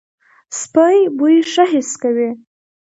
سپي بوی ښه حس کوي.